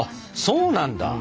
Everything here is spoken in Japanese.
そうなんだ。